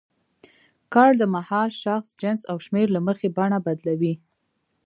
کړ د مهال، شخص، جنس او شمېر له مخې بڼه بدلوي.